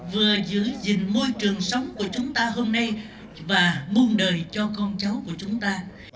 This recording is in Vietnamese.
vừa giữ gìn môi trường sống của chúng ta hôm nay và muôn đời cho con cháu của chúng ta